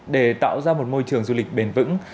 để tạo ra một môi trường du lịch bền vững